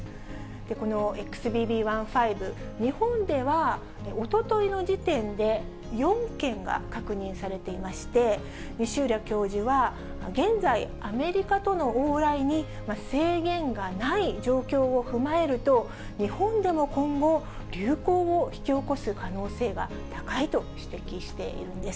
このＸＢＢ．１．５、日本ではおとといの時点で４件が確認されていまして、西浦教授は、現在、アメリカとの往来に制限がない状況を踏まえると、日本でも今後、流行を引き起こす可能性が高いと指摘しているんです。